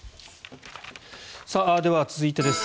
では続いてです。